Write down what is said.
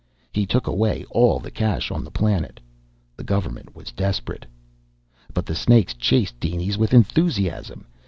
He took away all the cash on the planet. The government was desperate. But the snakes chased dinies with enthusiasm.